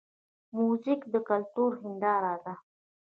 موزیک د کلتور هنداره ده.